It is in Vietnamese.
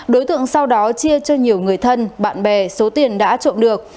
đối tượng sau đó chia cho nhiều người thân bạn bè số tiền đã trộm được